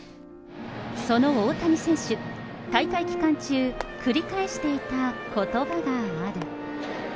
その大谷選手、大会期間中、繰り返していたことばがある。